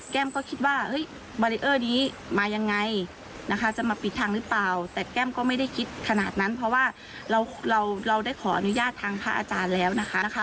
ก็คิดว่าบารีเออร์นี้มายังไงนะคะจะมาปิดทางหรือเปล่าแต่แก้มก็ไม่ได้คิดขนาดนั้นเพราะว่าเราเราได้ขออนุญาตทางพระอาจารย์แล้วนะคะ